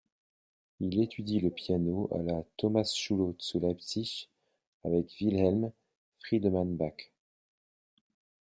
Il étudie le piano à la Thomasschule zu Leipzig avec Wilhelm Friedemann Bach.